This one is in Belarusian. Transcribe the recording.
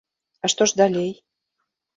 А што ж далей?